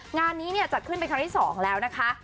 งานนี้จัดขึ้นเป็นครั้งที่๒แล้วนะคะ